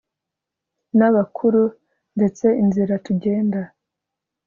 n'abakuru, twese inzira tugenda